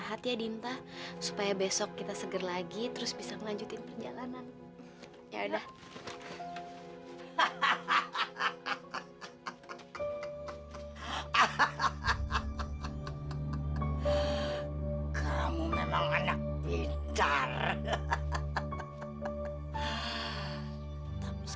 nak lintang sama nak dita mengineplah bareng satu malam di sini